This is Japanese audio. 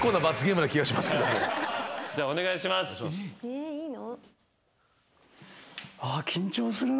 ・えっいいの？